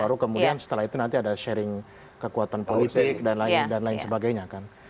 baru kemudian setelah itu nanti ada sharing kekuatan politik dan lain sebagainya kan